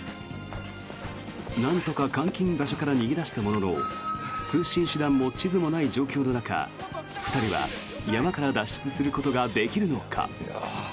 なんとか監禁場所から逃げ出したものの通信手段も地図もない状況の中２人は山から脱出することができるのか？